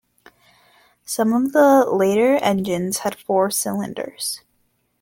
Some of the later engines had four cylinders.